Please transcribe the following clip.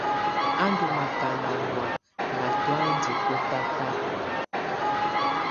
Á ndù makaàna nɔ̀á ná tɔ̀ánjɛ̀ kɔtaka.